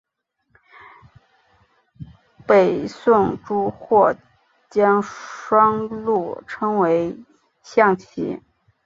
北宋朱彧将双陆称为象棋。